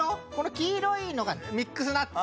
黄色いのがミックスナッツ。